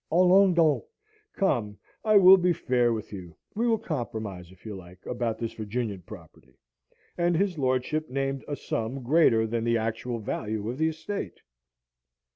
Allons donc! Come, I will be fair with you! We will compromise, if you like, about this Virginian property!" and his lordship named a sum greater than the actual value of the estate.